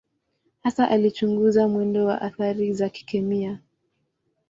Hasa alichunguza mwendo wa athari za kikemia.